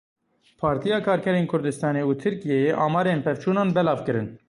Partiya Karkerên Kurdistanê û Tirkiyeyê amarên pevçûnan belav kirin.